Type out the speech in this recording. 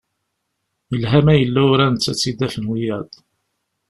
Yelha ma yella uran-tt ad tt-id-afen wiyaḍ.